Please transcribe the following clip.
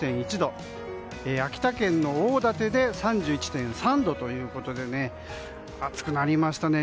秋田県の大館で３１．３度ということで暑くなりましたね。